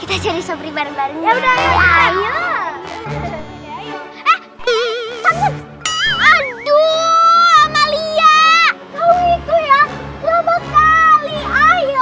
udah dong jangan bikin bu teta marah